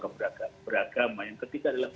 keberagaman yang ketiga adalah